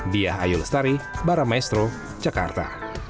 bia ayolestari baramaestro jakarta